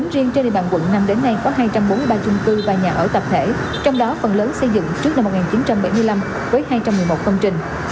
riêng trên địa bàn quận năm đến nay có hai trăm bốn mươi ba chung cư và nhà ở tập thể trong đó phần lớn xây dựng trước năm một nghìn chín trăm bảy mươi năm với hai trăm một mươi một công trình